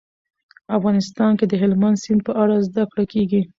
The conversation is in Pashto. افغانستان کې د هلمند سیند په اړه زده کړه کېږي.